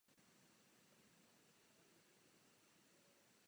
Po návratu do České republiky působil v mládežnických týmech Slavie Praha.